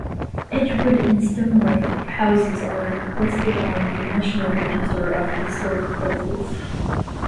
Edgewood and Stoneleigh houses are listed on the National Register of Historic Places.